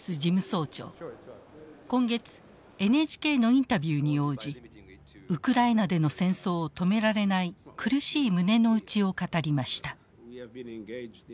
今月ＮＨＫのインタビューに応じウクライナでの戦争を止められない苦しい胸の内を語りました。